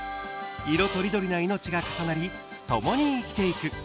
色とりどりな命が重なり共に生きていく。